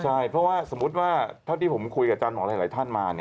ใช่เพราะว่าสมมุติว่าเท่าที่ผมคุยกับอาจารย์หมอหลายท่านมา